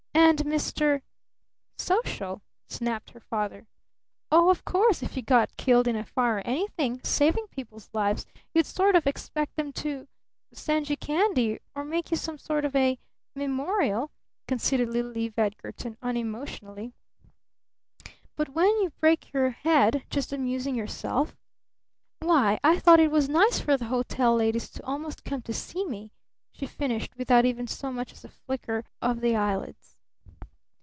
And Mr. " "Social?" snapped her father. "Oh, of course if you got killed in a fire or anything, saving people's lives, you'd sort of expect them to send you candy or make you some sort of a memorial," conceded little Eve Edgarton unemotionally. "But when you break your head just amusing yourself? Why, I thought it was nice for the hotel ladies to almost come to see me," she finished, without even so much as a flicker of the eyelids.